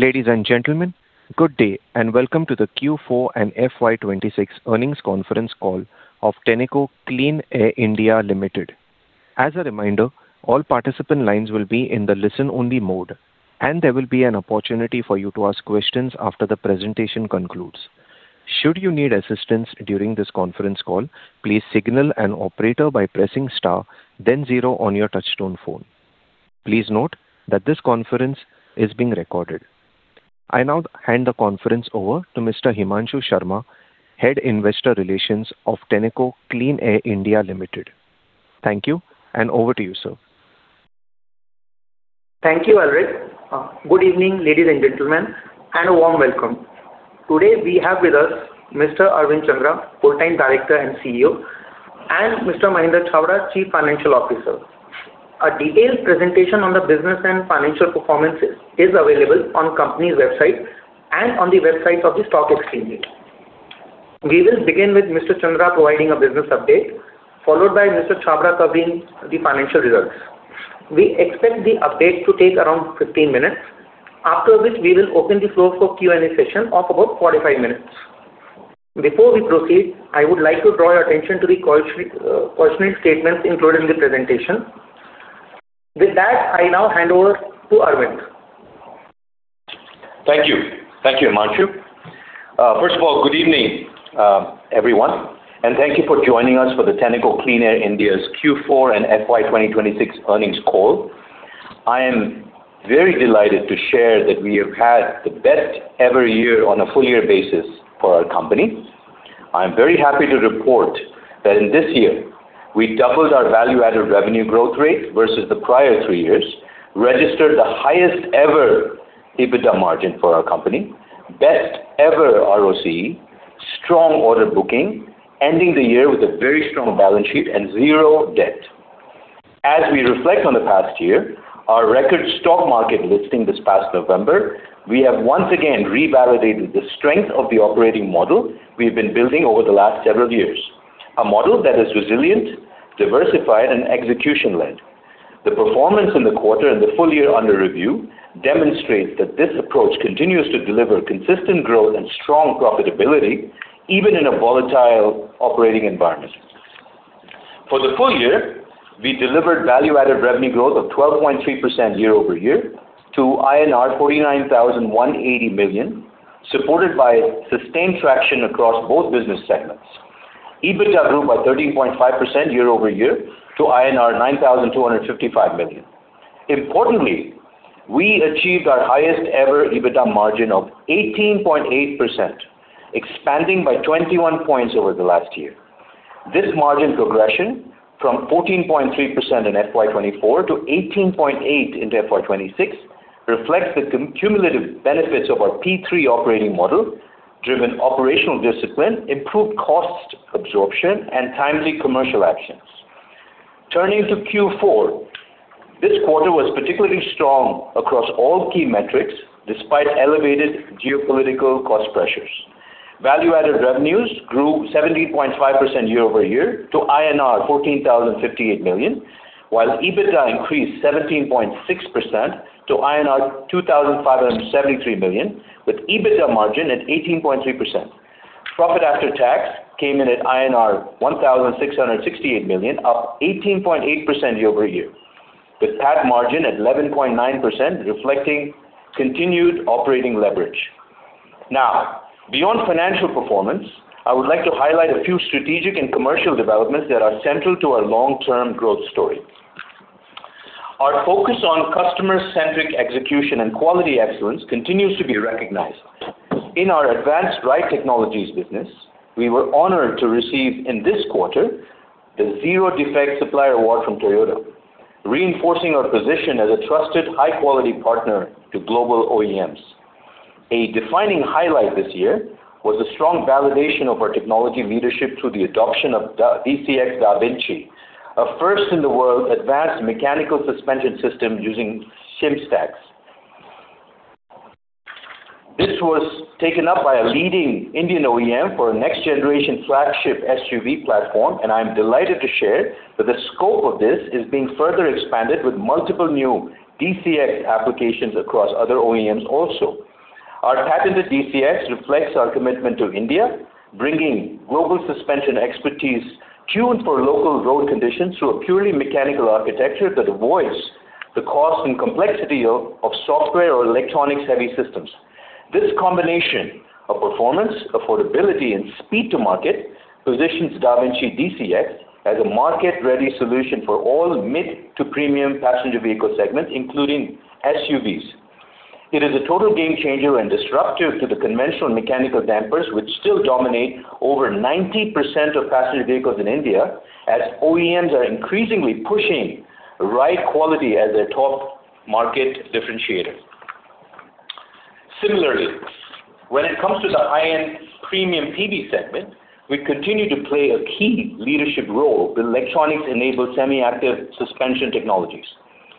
Ladies and gentlemen, good day, and welcome to the Q4 and FY 2026 Earnings Conference Call of Tenneco Clean Air India Limited. As a reminder, all participant lines will be in the listen-only mode, and there will be an opportunity for you to ask questions after the presentation concludes. Should you need assistance during this conference call, please signal an operator by pressing star then zero on your touchtone phone. Please note that this conference is being recorded. I now hand the conference over to Mr. Himanshu Sharma, Head Investor Relations of Tenneco Clean Air India Limited. Thank you, and over to you, sir. Thank you, Alric. Good evening, ladies and gentlemen, and a warm welcome. Today we have with us Mr. Arvind Chandra, Whole Time Director and CEO, and Mr. Mahender Chhabra, Chief Financial Officer. A detailed presentation on the business and financial performance is available on the company's website and on the websites of the stock exchange. We will begin with Mr. Chandra providing a business update, followed by Mr. Chhabra covering the financial results. We expect the update to take around 15 minutes, after which we will open the floor for a Q&A session of about 45 minutes. Before we proceed, I would like to draw your attention to the cautionary statements included in the presentation. With that, I now hand over to Arvind. Thank you. Thank you, Himanshu. First of all, good evening, everyone, and thank you for joining us for the Tenneco Clean Air India's Q4 and FY 2026 earnings call. I am very delighted to share that we have had the best ever year on a full-year basis for our company. I'm very happy to report that in this year, we doubled our value-added revenue growth rate versus the prior three years, registered the highest ever EBITDA margin for our company, best ever ROCE, strong order booking, ending the year with a very strong balance sheet and zero debt. As we reflect on the past year, our record stock market listing this past November, we have once again revalidated the strength of the operating model we've been building over the last several years. A model that is resilient, diversified, and execution-led. The performance in the quarter and the full year under review demonstrates that this approach continues to deliver consistent growth and strong profitability, even in a volatile operating environment. For the full year, we delivered value-added revenue growth of 12.3% year-over-year to INR 49,180 million, supported by sustained traction across both business segments. EBITDA grew by 13.5% year-over-year to INR 9,255 million. Importantly, we achieved our highest ever EBITDA margin of 18.8%, expanding by 21 points over the last year. This margin progression from 14.3% in FY 2024 to 18.8% in FY 2026 reflects the cumulative benefits of our P3 operating model, driven operational discipline, improved cost absorption, and timely commercial actions. Turning to Q4, this quarter was particularly strong across all key metrics despite elevated geopolitical cost pressures. Value-added revenues grew 17.5% year-over-year to INR 14,058 million, while EBITDA increased 17.6% to INR 2,573 million, with EBITDA margin at 18.3%. Profit after tax came in at INR 1,668 million, up 18.8% year-over-year, with PAT margin at 11.9%, reflecting continued operating leverage. Beyond financial performance, I would like to highlight a few strategic and commercial developments that are central to our long-term growth story. Our focus on customer-centric execution and quality excellence continues to be recognized. In our Advanced Ride Technologies business, we were honored to receive, in this quarter, the Zero-Defect Supplier Award from Toyota, reinforcing our position as a trusted high-quality partner to global OEMs. A defining highlight this year was the strong validation of our technology leadership through the adoption of DCx DaVinci, a first-in-the-world advanced mechanical suspension system using shim stacks. This was taken up by a leading Indian OEM for a next generation flagship SUV platform, and I'm delighted to share that the scope of this is being further expanded with multiple new DCx applications across other OEMs also. Our patented DCx reflects our commitment to India, bringing global suspension expertise tuned for local road conditions through a purely mechanical architecture that avoids the cost and complexity of software or electronic-heavy systems. This combination of performance, affordability, and speed to market positions DaVinci DCx as a market-ready solution for all mid to premium passenger vehicle segments, including SUVs. It is a total game changer and disruptive to the conventional mechanical dampers, which still dominate over 90% of passenger vehicles in India, as OEMs are increasingly pushing ride quality as their top market differentiator. Similarly, when it comes to the high-end premium PV segment, we continue to play a key leadership role with electronics-enabled semi-active suspension technologies.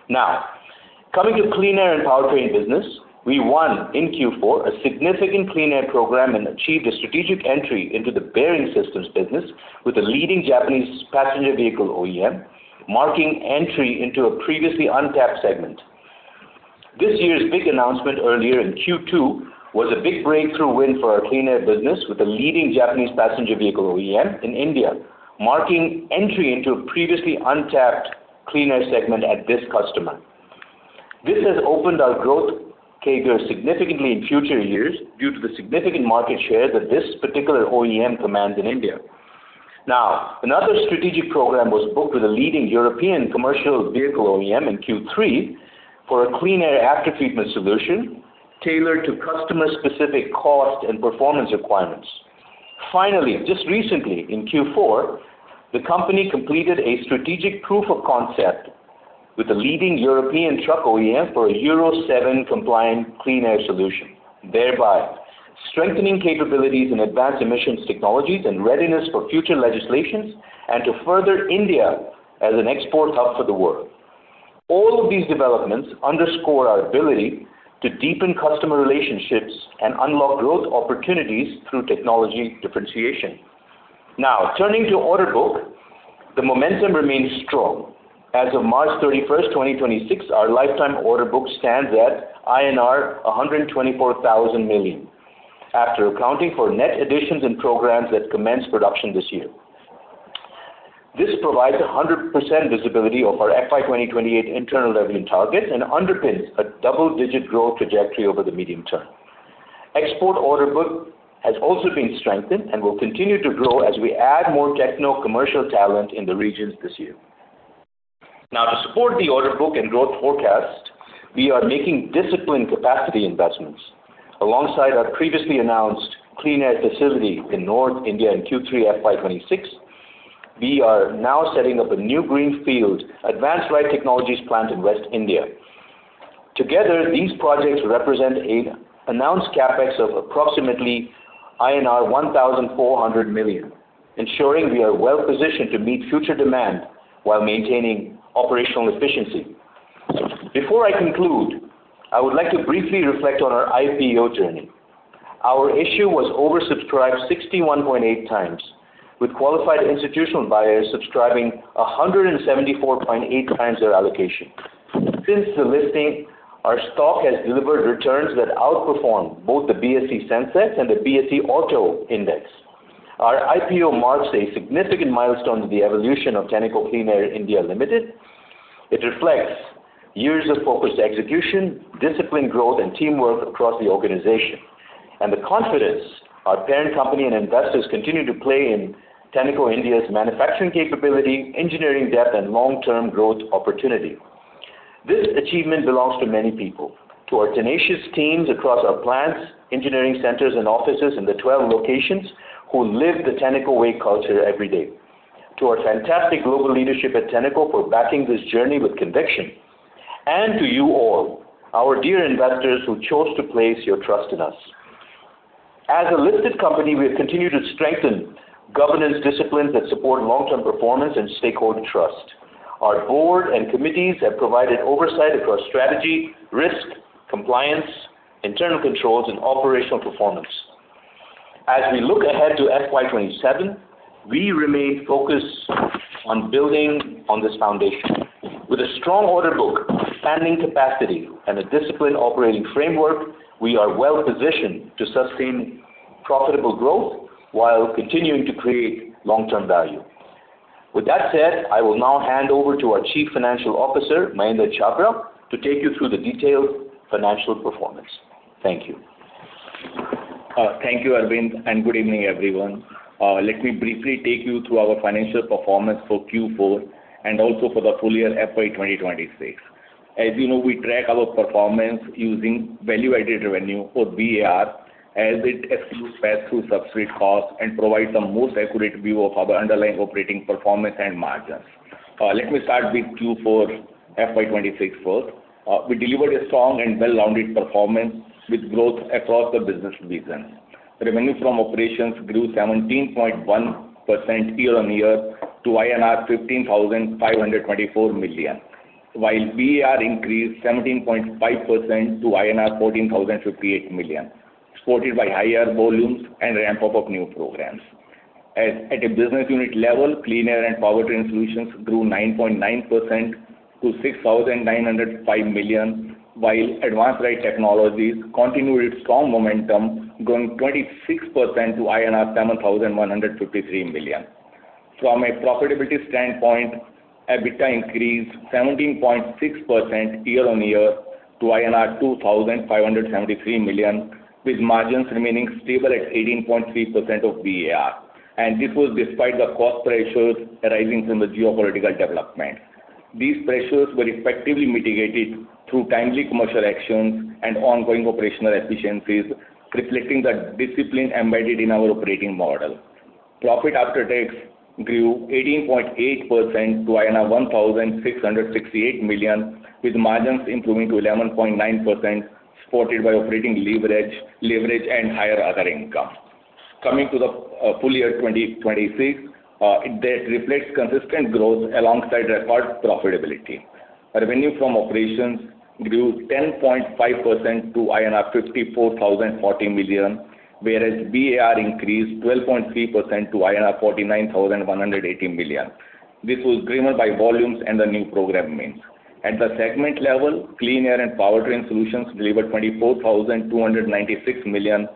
Now, coming to Clean Air and Powertrain business, we won in Q4 a significant Clean Air program and achieved a strategic entry into the bearing systems business with a leading Japanese passenger vehicle OEM, marking entry into a previously untapped segment. This year's big announcement earlier in Q2 was a big breakthrough win for our Clean Air business with a leading Japanese passenger vehicle OEM in India, marking entry into a previously untapped Clean Air segment at this customer. This has opened our growth cadence significantly in future years due to the significant market share that this particular OEM commands in India. Another strategic program was booked with a leading European commercial vehicle OEM in Q3 for a Clean Air after-treatment solution tailored to customer-specific cost and performance requirements. Just recently in Q4, the company completed a strategic proof of concept with a leading European truck OEM for a Euro VII–compliant Clean Air solution, thereby strengthening capabilities in advanced emissions technologies and readiness for future legislations, and to further India as an export hub for the world. All of these developments underscore our ability to deepen customer relationships and unlock growth opportunities through technology differentiation. Turning to order book, the momentum remains strong. As of March 31, 2026, our lifetime order book stands at INR 124,000 million, after accounting for net additions in programs that commenced production this year. This provides 100% visibility of our FY 2028 internal revenue target and underpins a double-digit growth trajectory over the medium term. Export order book has also been strengthened and will continue to grow as we add more techno commercial talent in the regions this year. To support the order book and growth forecast, we are making disciplined capacity investments. Alongside our previously announced Clean Air facility in North India in Q3 FY 2026, we are now setting up a new greenfield Advanced Ride Technologies plant in West India. Together, these projects represent an announced CapEx of approximately INR 1,400 million, ensuring we are well positioned to meet future demand while maintaining operational efficiency. Before I conclude, I would like to briefly reflect on our IPO journey. Our issue was oversubscribed 61.8x with qualified institutional buyers subscribing 174.8x their allocation. Since the listing, our stock has delivered returns that outperform both the BSE SENSEX and the BSE Auto Index. Our IPO marks a significant milestone in the evolution of Tenneco Clean Air India Limited. It reflects years of focused execution, disciplined growth, and teamwork across the organization, and the confidence our parent company and investors continue to play in Tenneco India's manufacturing capability, engineering depth, and long-term growth opportunity. This achievement belongs to many people. To our tenacious teams across our plants, engineering centers, and offices in the 12 locations who live The Tenneco Way culture every day, to our fantastic global leadership at Tenneco for backing this journey with conviction, and to you all, our dear investors who chose to place your trust in us. As a listed company, we have continued to strengthen governance disciplines that support long-term performance and stakeholder trust. Our board and committees have provided oversight across strategy, risk, compliance, internal controls, and operational performance. As we look ahead to FY 2027, we remain focused on building on this foundation. With a strong order book, expanding capacity, and a disciplined operating framework, we are well positioned to sustain profitable growth while continuing to create long-term value. With that said, I will now hand over to our Chief Financial Officer, Mahender Chhabra, to take you through the detailed financial performance. Thank you. Thank you, Arvind, and good evening, everyone. Let me briefly take you through our financial performance for Q4 and also for the full year FY 2026. As you know, we track our performance using value-added revenue or VAR, as it excludes pass-through substrate costs and provides the most accurate view of our underlying operating performance and margins. Let me start with Q4 FY 2026 first. We delivered a strong and well-rounded performance with growth across the business regions. Revenue from operations grew 17.1% year-on-year to INR 15,524 million, while VAR increased 17.5% to INR 14,058 million, supported by higher volumes and ramp-up of new programs. At a business unit level, Clean Air and Powertrain Solutions grew 9.9% to 6,905 million, while Advanced Ride Technologies continued its strong momentum, growing 26% to INR 7,153 million. From a profitability standpoint, EBITDA increased 17.6% year on year to INR 2,573 million with margins remaining stable at 18.3% of VAR. This was despite the cost pressures arising from the geopolitical development. These pressures were effectively mitigated through timely commercial actions and ongoing operational efficiencies, reflecting the discipline embedded in our operating model. Profit after tax grew 18.8% to 1,668 million, with margins improving to 11.9%, supported by operating leverage and higher other income. Coming to the full year 2026, it reflects consistent growth alongside record profitability. Revenue from operations grew 10.5% to INR 54,040 million, whereas VAR increased 12.3% to INR 49,180 million. This was driven by volumes and the new program wins. At the segment level, Clean Air and Powertrain Solutions delivered 24,296 million,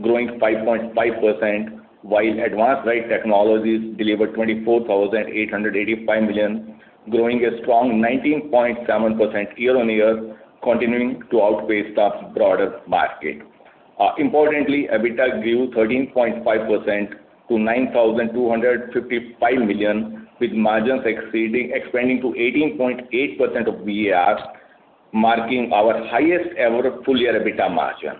growing 5.5%, while Advanced Ride Technologies delivered 24,885 million, growing a strong 19.7% year on year, continuing to outpace the broader market. Importantly, EBITDA grew 13.5% to 9,255 million, with margins expanding to 18.8% of VAR, marking our highest ever full year EBITDA margin.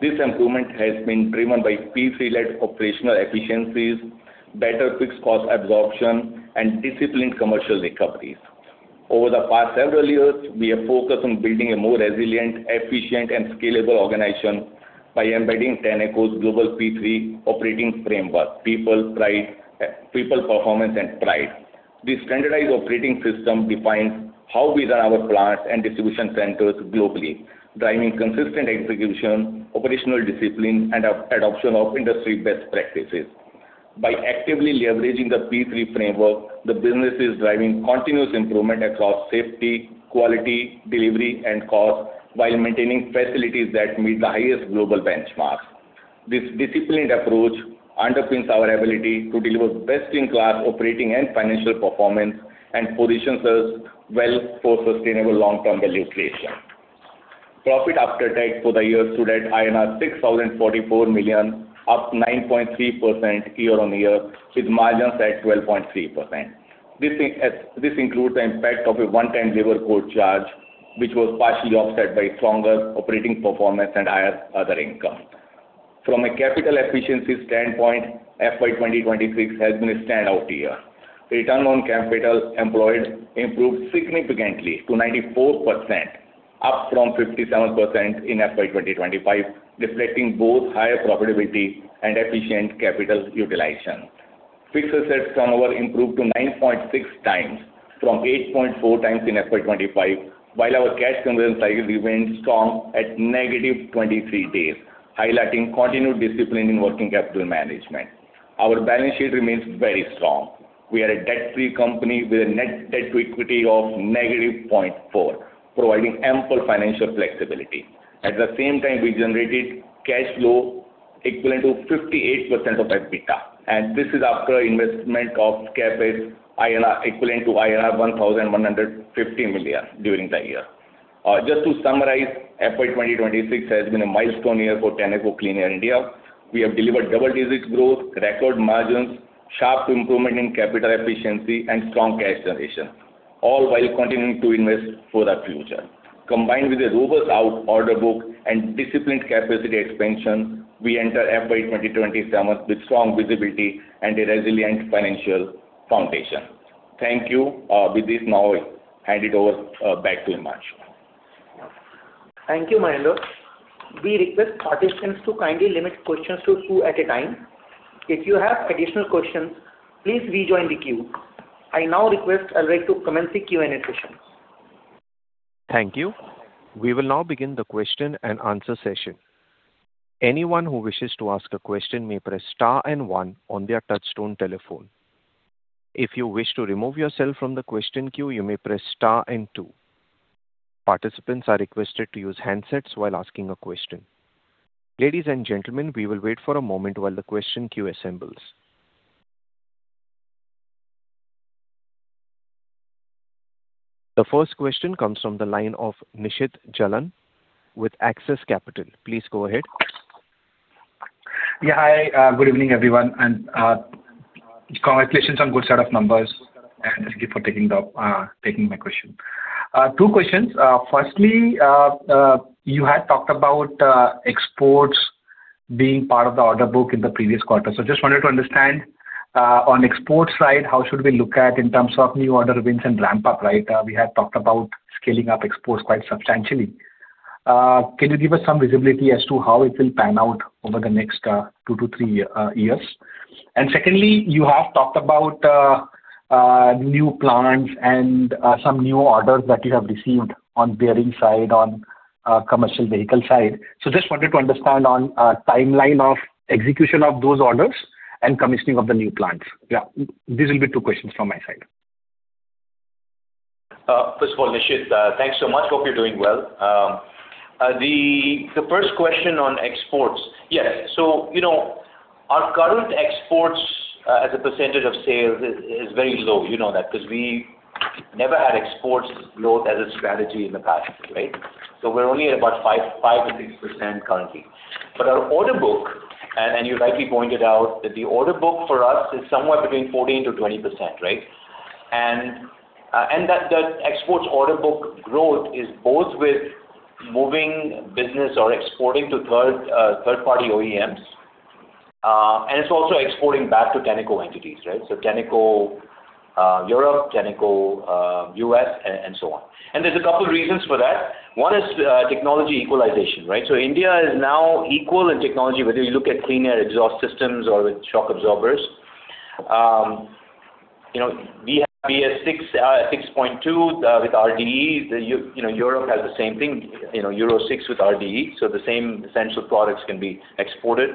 This improvement has been driven by P3-led operational efficiencies, better fixed cost absorption, and disciplined commercial recoveries. Over the past several years, we have focused on building a more resilient, efficient, and scalable organization by embedding Tenneco's global P3 operating framework: people, performance, and pride. This standardized operating system defines how we run our plants and distribution centers globally, driving consistent execution, operational discipline, and adoption of industry best practices. By actively leveraging the P3 framework, the business is driving continuous improvement across safety, quality, delivery, and cost, while maintaining facilities that meet the highest global benchmarks. This disciplined approach underpins our ability to deliver best-in-class operating and financial performance and positions us well for sustainable long-term value creation. Profit after tax for the year stood at INR 6,044 million, up 9.3% year-on-year, with margins at 12.3%. This includes the impact of a one-time labor court charge, which was partially offset by stronger operating performance and higher other income. From a capital efficiency standpoint, FY 2026 has been a standout year. Return on capital employed improved significantly to 94%, up from 57% in FY 2025, reflecting both higher profitability and efficient capital utilization. Fixed asset turnover improved to 9.6x from 8.4x in FY 2025, while our cash conversion cycle remains strong at -23 days, highlighting continued discipline in working capital management. Our balance sheet remains very strong. We are a debt-free company with a net debt to equity of negative 0.4x, providing ample financial flexibility. At the same time, we generated cash flow equivalent to 58% of our EBITDA, and this is after investment of CapEx equivalent to INR 1,150 million during the year. Just to summarize, FY 2026 has been a milestone year for Tenneco Clean Air India. We have delivered double-digit growth, record margins, sharp improvement in capital efficiency, and strong cash generation, all while continuing to invest for the future. Combined with a robust order book and disciplined capacity expansion, we enter FY 2027 with strong visibility and a resilient financial foundation. Thank you. With this, now I hand it over back to Himanshu. Thank you, Mahender. We request participants to kindly limit questions to two at a time. If you have additional questions, please rejoin the queue. I now request Alric to commence the Q&A session. Thank you. We will now begin the question and answer session. Anyone who wishes to ask a question may press star and one on their touchtone telephone. If you wish to remove yourself from the question queue, you may press star and two. Participants are requested to use handsets while asking a question. Ladies and gentlemen, we will wait for a moment while the question queue assembles. The first question comes from the line of Nishit Jalan with Axis Capital. Please go ahead. Yeah, hi. Good evening, everyone, and congratulations on good set of numbers, and thank you for taking my question. Two questions. Firstly, you had talked about exports being part of the order book in the previous quarter. Just wanted to understand, on export side, how should we look at in terms of new order wins and ramp up, right? We had talked about scaling up exports quite substantially. Can you give us some visibility as to how it will pan out over the next two to three years? Secondly, you have talked about new plants and some new orders that you have received on bearing side, on commercial vehicle side. Just wanted to understand on timeline of execution of those orders and commissioning of the new plants. Yeah, these will be two questions from my side. First of all, Nishit, thanks so much. Hope you're doing well. The first question on exports. Yes. Our current exports as a percentage of sales is very low. You know that because we never had exports load as a strategy in the past, right? We're only at about 5%-6% currently. Our order book, and you rightly pointed out, that the order book for us is somewhat between 14%-20%, right? That exports order book growth is both with moving business or exporting to third-party OEMs, and it's also exporting back to Tenneco entities, right? Tenneco Europe, Tenneco US, and so on. There's a couple reasons for that. One is technology equalization, right? India is now equal in technology, whether you look at clean air exhaust systems or with shock absorbers. We have BS6, 6.2 with RDE. Europe has the same thing, Euro 6 with RDE. The same essential products can be exported.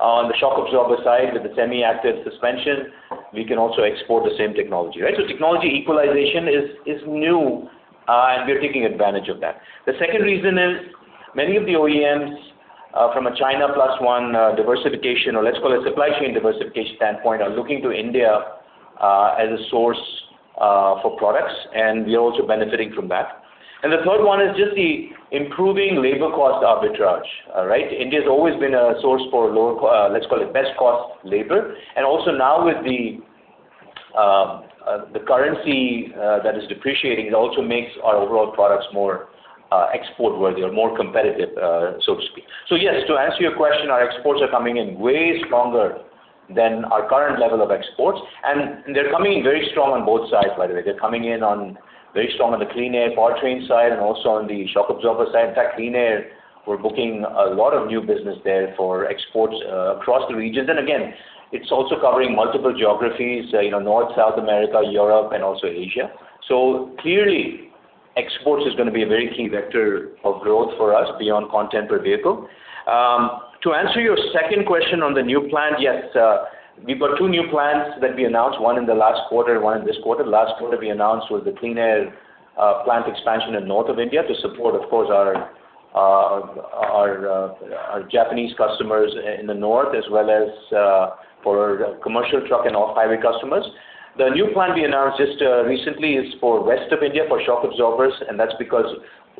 On the shock absorber side, with the semi-active suspension, we can also export the same technology, right? Technology equalization is new, and we are taking advantage of that. The second reason is many of the OEMs from a China+1 diversification, or let's call it supply chain diversification standpoint, are looking to India as a source for products, and we are also benefiting from that. The third one is just the improving labor cost arbitrage. All right? India's always been a source for, let's call it best cost labor. Also now with the currency that is depreciating, it also makes our overall products more export-worthy or more competitive, so to speak. Yes, to answer your question, our exports are coming in way stronger than our current level of exports, and they're coming in very strong on both sides, by the way. They're coming in very strong on the Clean Air powertrain side and also on the shock absorber side. In fact, Clean Air, we're booking a lot of new business there for exports across the regions. Again, it's also covering multiple geographies, North, South America, Europe, and also Asia. Clearly, exports is gonna be a very key vector of growth for us beyond content per vehicle. To answer your second question on the new plant, yes, we've got two new plants that we announced, one in the last quarter and one in this quarter. Last quarter, we announced was the Clean Air plant expansion in north of India to support, of course, our Japanese customers in the north as well as for commercial truck and off-highway customers. The new plant we announced just recently is for west of India for shock absorbers. That's because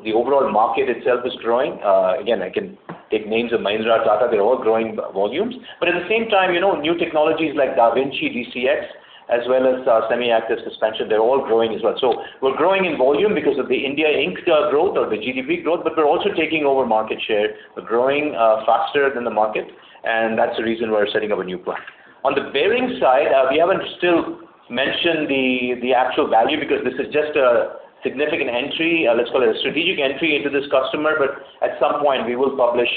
the overall market itself is growing. Again, I can take names of Mahindra, Tata, they're all growing volumes. At the same time, new technologies like DaVinci DCx as well as semi-active suspension, they're all growing as well. We're growing in volume because of the India Inc. growth or the GDP growth, but we're also taking over market share. We're growing faster than the market, and that's the reason we're setting up a new plant. On the bearings side, we haven't still mentioned the actual value because this is just a significant entry, let's call it a strategic entry into this customer. At some point, we will publish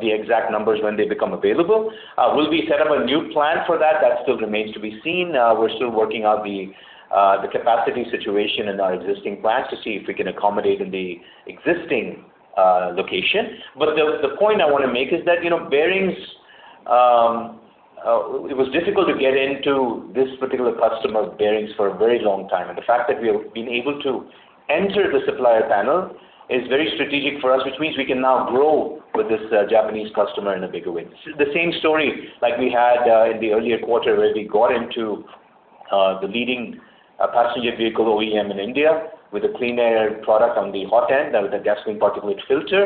the exact numbers when they become available. Will we set up a new plant for that? That still remains to be seen. We're still working out the capacity situation in our existing plants to see if we can accommodate in the existing location. The point I want to make is that bearings, it was difficult to get into this particular customer's bearings for a very long time. The fact that we have been able to enter the supplier panel is very strategic for us, which means we can now grow with this Japanese customer in a bigger way. This is the same story like we had in the earlier quarter where we got into the leading Passenger Vehicle OEM in India with a Clean Air product on the hot end, that was a gasoline particulate filter,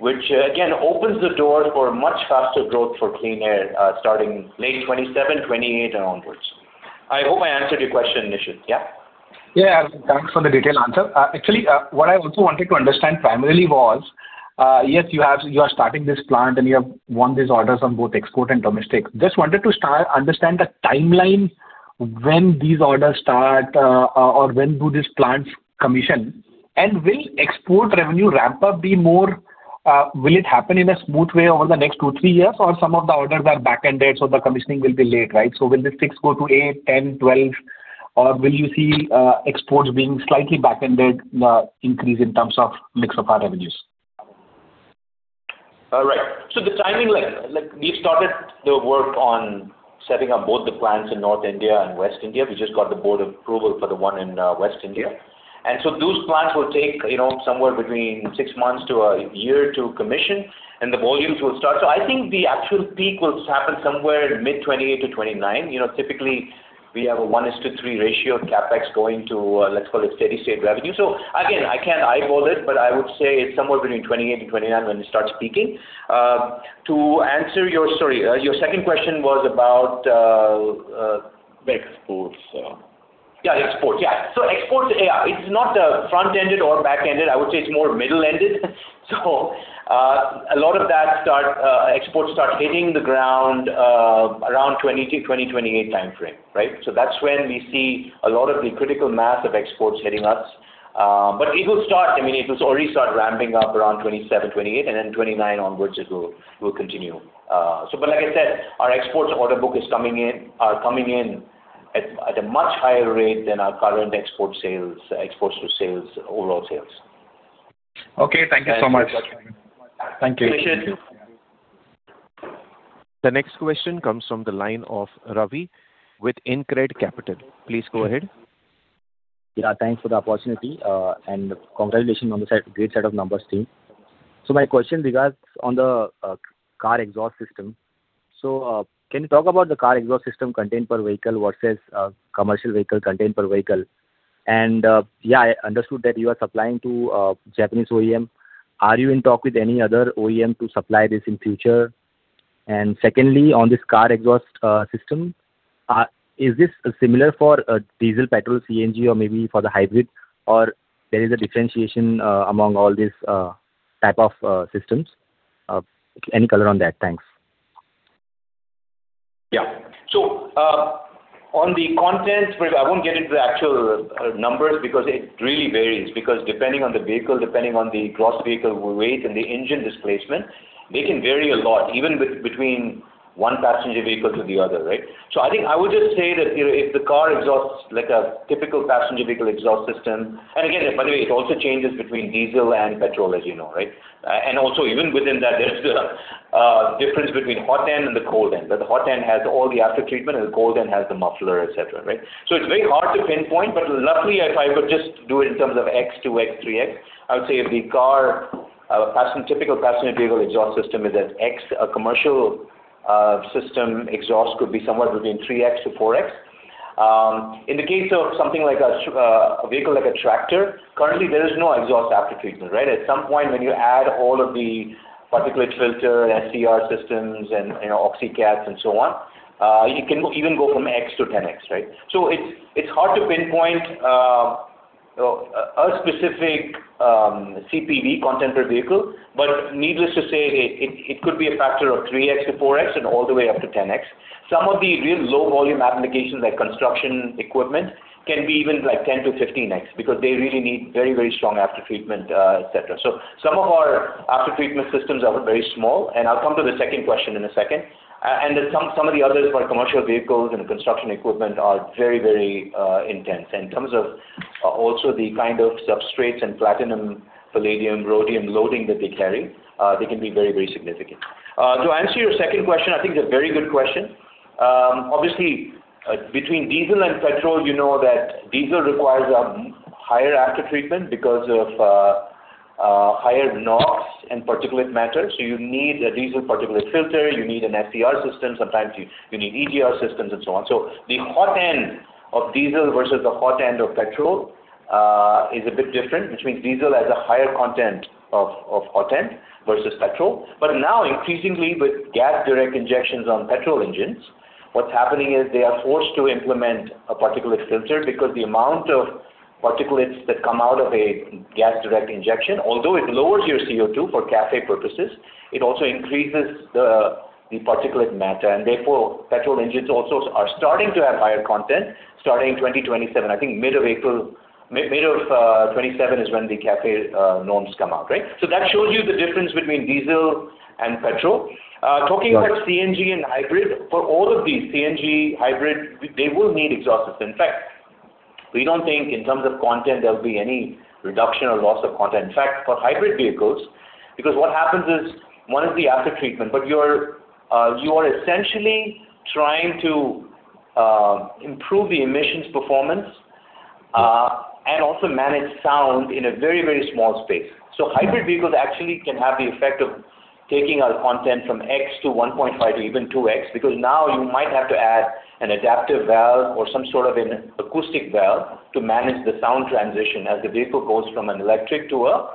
which again opens the door for much faster growth for Clean Air starting late 2027, 2028, and onwards. I hope I answered your question, Nishit. Yeah? Yeah, thanks for the detailed answer. Actually, what I also wanted to understand primarily was, yes, you are starting this plant and you have won these orders on both export and domestic. I just wanted to understand the timeline when these orders start or when do these plants commission, and will export revenue ramp-up be more. Will it happen in a smooth way over the next two, three years, or some of the orders are backended, so the commissioning will be late, right? Will the six go to eight, 10, 12, or will you see exports being slightly backended increase in terms of mix of our revenues? All right. The timing, we've started the work on setting up both the plants in North India and West India. We just got the board approval for the one in West India. Those plants will take somewhere between six months to a year to commission, and the volumes will start. I think the actual peak will happen somewhere in mid 2028 to 2029. Typically, we have a 1:3 ratio CapEx going to, let's call it steady state revenue. Again, I can't eyeball it, but I would say it's somewhere between 2028 and 2029 when it starts peaking. To answer your, sorry, your second question was about? Exports. Yeah, exports. Exports, it's not front-ended or back-ended. I would say it's more middle-ended. A lot of that exports start hitting the ground around 2020 to 2028 timeframe. Right. That's when we see a lot of the critical mass of exports hitting us. It will already start ramping up around 2027, 2028, and then 2029 onwards it will continue. Like I said, our exports order book is coming in at a much higher rate than our current export sales, exports to sales, overall sales. Okay. Thank you so much. Thanks, Nishit. The next question comes from the line of Ravi with Incred Capital. Please go ahead. Yeah, thanks for the opportunity, and congratulations on the great set of numbers, team. My question regards on the car exhaust system. Can you talk about the car exhaust system content per vehicle versus commercial vehicle content per vehicle? Yeah, I understood that you are supplying to Japanese OEM. Are you in talk with any other OEM to supply this in future? Secondly, on this car exhaust system, is this similar for diesel, petrol, CNG, or maybe for the hybrid, or there is a differentiation among all these type of systems? Any color on that? Thanks. Yeah. On the content, I won't get into the actual numbers because it really varies. Depending on the vehicle, depending on the gross vehicle weight and the engine displacement, they can vary a lot. Even between one passenger vehicle to the other, right? I think I would just say that if the car exhausts like a typical passenger vehicle exhaust system, and again, by the way, it also changes between diesel and petrol, as you know. Also even within that, there's the difference between hot end and the cold end, where the hot end has all the aftertreatment and the cold end has the muffler, et cetera. It's very hard to pinpoint, but luckily if I could just do it in terms of X, 2X, 3X, I would say a typical passenger vehicle exhaust system is at X. A commercial system exhaust could be somewhere between 3X-4X. In the case of a vehicle like a tractor, currently there is no exhaust aftertreatment. At some point when you add all of the particulate filter and SCR systems and Oxy-cats and so on, you can even go from X-10X. It's hard to pinpoint a specific CPV, content per vehicle, but needless to say, it could be a factor of 3X-4X and all the way up to 10X. Some of the real low volume applications like construction equipment can be even 10X-15X because they really need very strong aftertreatment, et cetera. Some of our aftertreatment systems are very small, and I'll come to the second question in a second. Some of the others for commercial vehicles and construction equipment are very intense. In terms of also the kind of substrates and platinum, palladium, rhodium loading that they carry, they can be very significant. To answer your second question, I think it's a very good question. Obviously, between diesel and petrol, you know that diesel requires a higher aftertreatment because of higher NOx and particulate matter. You need a diesel particulate filter, you need an SCR system, sometimes you need EGR systems and so on. The hot end of diesel versus the hot end of petrol, is a bit different, which means diesel has a higher content of hot end versus petrol. Now increasingly with gasoline direct injections on petrol engines, what's happening is they are forced to implement a particulate filter because the amount of particulates that come out of a gasoline direct injection, although it lowers your CO2 for CAFE purposes, it also increases the particulate matter and therefore petrol engines also are starting to have higher content starting 2027. I think mid-2027 is when the CAFE norms come out. That shows you the difference between diesel and petrol. Talking about CNG and hybrid, for all of these, CNG, hybrid, they will need exhaust systems. In fact, we don't think in terms of content there'll be any reduction or loss of content. In fact, for hybrid vehicles, because what happens is one is the aftertreatment, but you are essentially trying to improve the emissions performance and also manage sound in a very small space. Hybrid vehicles actually can have the effect of taking our content from X to 1.5X to even 2X, because now you might have to add an adaptive valve or some sort of an acoustic valve to manage the sound transition as the vehicle goes from an electric to a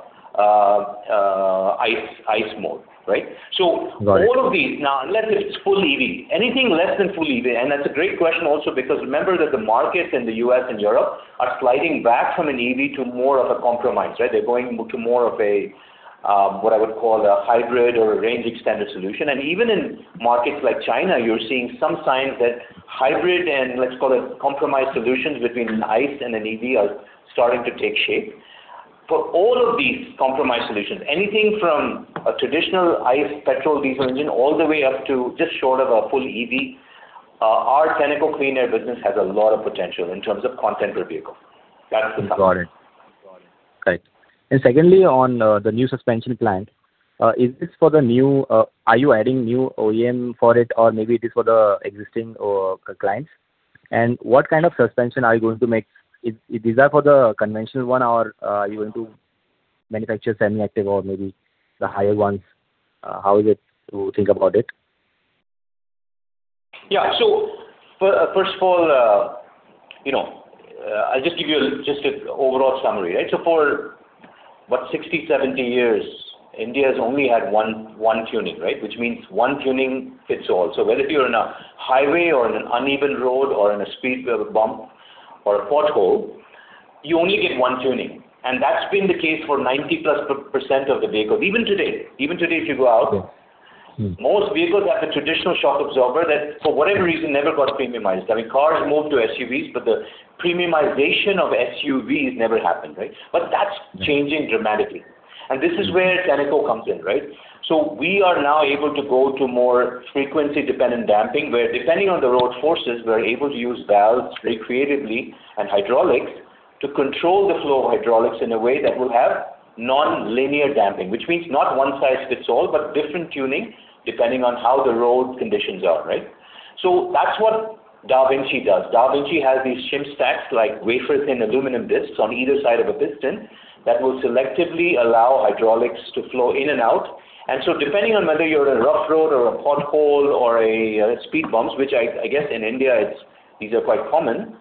ICE mode. Right? Got it. All of these, now unless it's full EV, anything less than full EV, that's a great question also because remember that the markets in the U.S. and Europe are sliding back from an EV to more of a compromise. They're going to more of a, what I would call a hybrid or a range extender solution, even in markets like China, you're seeing some signs that hybrid and let's call it compromise solutions between an ICE and an EV are starting to take shape. For all of these compromise solutions, anything from a traditional ICE petrol diesel engine, all the way up to just short of a full EV, our Tenneco Clean Air business has a lot of potential in terms of content per vehicle. That's the summary. Got it. Right. Secondly, on the new suspension plant, are you adding new OEM for it or maybe it is for the existing clients? What kind of suspension are you going to make? Is these are for the conventional one or are you going to manufacture semi-active or maybe the higher ones? How is it you think about it? First of all, I'll just give you just an overall summary. For what, 60, 70 years, India's only had one tuning. Which means one tuning fits all. Whether you're on a highway or on an uneven road or on a speed breaker bump or a pothole, you only get one tuning, and that's been the case for 90%+ of the vehicles. Even today, if you go out most vehicles have the traditional shock absorber that for whatever reason never got premiumized. I mean, cars moved to SUVs, but the premiumization of SUVs never happened. That's changing dramatically, and this is where Tenneco comes in. We are now able to go to more frequency dependent damping, where depending on the road forces, we're able to use valves very creatively and hydraulics to control the flow of hydraulics in a way that will have nonlinear damping. Which means not one size fits all, but different tuning depending on how the road conditions are. That's what DaVinci does. DaVinci has these shim stacks, like wafer thin aluminum discs on either side of a piston that will selectively allow hydraulics to flow in and out. Depending on whether you're on a rough road or a pothole or a speed bumps, which I guess in India these are quite common,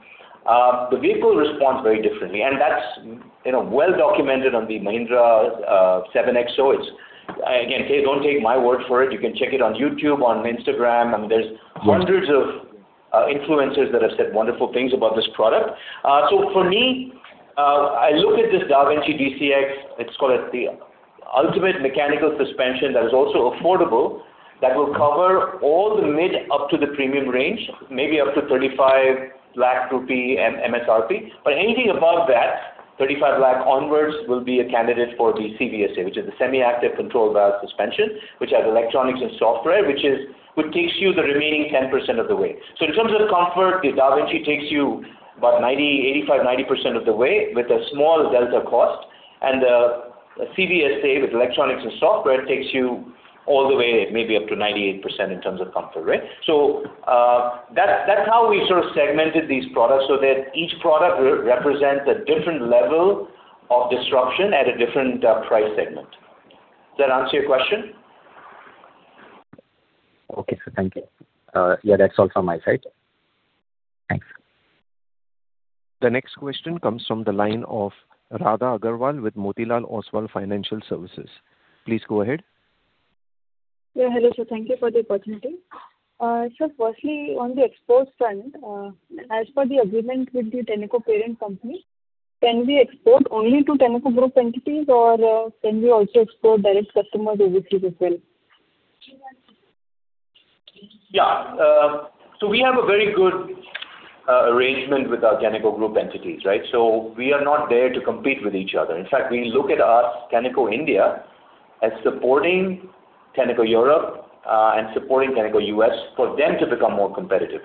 the vehicle responds very differently. That's well-documented on the Mahindra XUV700. Hey, don't take my word for it, you can check it on YouTube, on Instagram. I mean, there's hundreds of influencers that have said wonderful things about this product. For me, I look at this DaVinci DCx, it's called the ultimate mechanical suspension that is also affordable, that will cover all the mid up to the premium range, maybe up to 35 lakh rupee MSRP. Anything above that, 35 lakh onwards will be a candidate for the CVSAe, which is the semi-active controlled valve suspension, which has electronics and software, which takes you the remaining 10% of the way. In terms of comfort, the DaVinci takes you about 85%-90% of the way with a small delta cost, and the CVSA, with electronics and software, takes you all the way, maybe up to 98% in terms of comfort. That's how we segmented these products, so that each product represents a different level of disruption at a different price segment. Does that answer your question? Okay, sir. Thank you. Yeah, that's all from my side. Thanks. The next question comes from the line of Radha Agarwal with Motilal Oswal Financial Services. Please go ahead. Yeah, hello sir. Thank you for the opportunity. Sir, firstly, on the exports front, as per the agreement with the Tenneco parent company, can we export only to Tenneco group entities or can we also export direct to customers overseas as well? Yeah. We have a very good arrangement with our Tenneco group entities. We are not there to compete with each other. In fact, we look at us, Tenneco India, as supporting Tenneco Europe, and supporting Tenneco U.S. for them to become more competitive.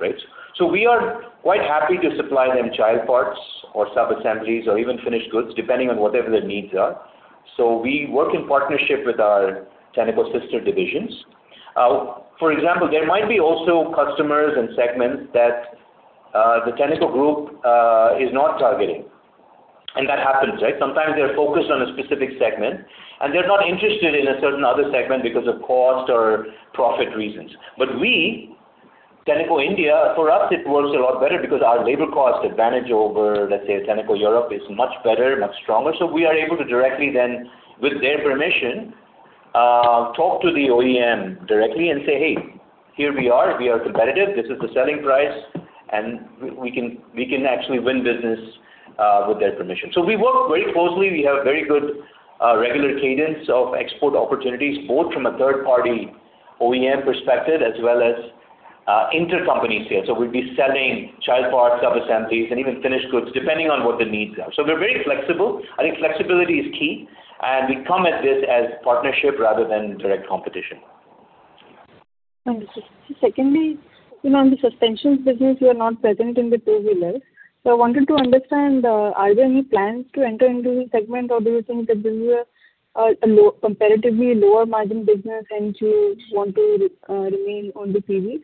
We are quite happy to supply them child parts or sub-assemblies or even finished goods, depending on whatever their needs are. We work in partnership with our Tenneco sister divisions. For example, there might be also customers and segments that the Tenneco group is not targeting, and that happens. Sometimes they're focused on a specific segment, and they're not interested in a certain other segment because of cost or profit reasons. We, Tenneco India, for us, it works a lot better because our labor cost advantage over, let's say, Tenneco Europe, is much better, much stronger. We are able to directly then, with their permission, talk to the OEM directly and say, "Hey, here we are. We are competitive. This is the selling price." We can actually win business with their permission. We work very closely. We have very good, regular cadence of export opportunities, both from a third-party OEM perspective as well as intercompany sales. We'd be selling child parts, subassemblies, and even finished goods, depending on what the needs are. We're very flexible. I think flexibility is key, and we come at this as partnership rather than direct competition. Thank you, sir. On the suspensions business, you are not present in the two-wheeler. I wanted to understand, are there any plans to enter into this segment, or do you think that this is a comparatively lower margin business and you want to remain on the CVs?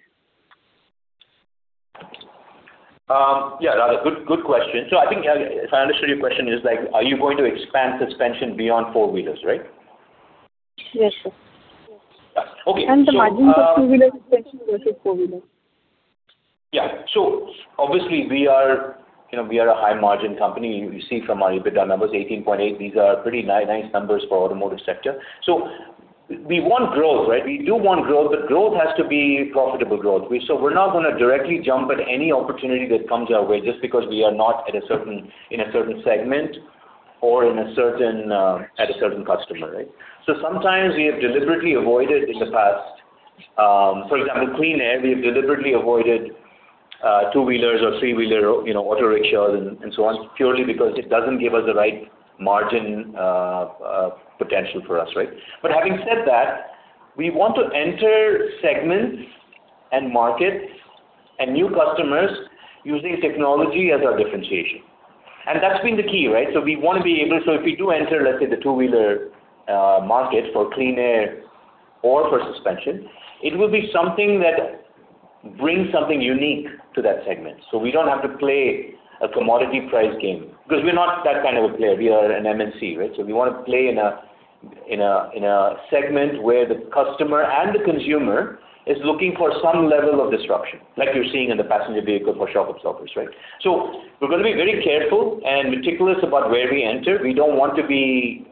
Yeah, Radha, good question. I think if I understood your question, it is, are you going to expand suspension beyond four-wheelers, right? Yes, sir. Okay. The margins of three-wheeler four-wheeler. Obviously, we are a high-margin company. You see from our EBITDA numbers, 18.8%. These are pretty nice numbers for automotive sector. We want growth. We do want growth, but growth has to be profitable growth. We're not gonna directly jump at any opportunity that comes our way just because we are not in a certain segment or at a certain customer. Sometimes we have deliberately avoided in the past, for example, Clean Air, we've deliberately avoided two-wheelers or three-wheeler, auto rickshaws and so on, purely because it doesn't give us the right margin potential for us. Having said that, we want to enter segments and markets and new customers using technology as our differentiation. That's been the key. If we do enter, let's say, the two-wheeler market for Clean Air or for suspension, it will be something that brings something unique to that segment. We don't have to play a commodity price game, because we're not that kind of a player. We are an MNC. We want to play in a segment where the customer and the consumer is looking for some level of disruption, like you're seeing in the passenger vehicle for shock absorbers. We're gonna be very careful and meticulous about where we enter. We don't want to be